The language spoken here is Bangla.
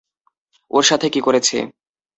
ওর সাথে কী করেছে?